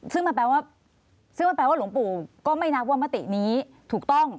ซึ่งมันแปลว่าหลวงปู่ก็ไม่นักว่ามัตตินี้ถูกต้อง